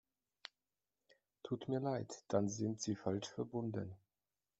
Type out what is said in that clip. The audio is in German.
Tut mir leid, dann sind Sie falsch verbunden.